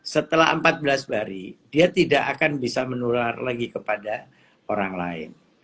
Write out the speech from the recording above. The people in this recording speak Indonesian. setelah empat belas hari dia tidak akan bisa menular lagi kepada orang lain